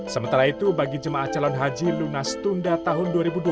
sementara itu bagi jemaah calon haji lunas tunda tahun dua ribu dua puluh